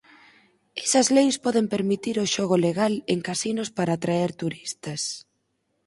Esas leis poden permitir o xogo legal en casinos para atraer turistas.